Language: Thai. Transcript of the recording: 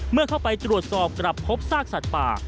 เมื่อเข้าไปตรวจสอบกลับพบซากสัตว์ป่า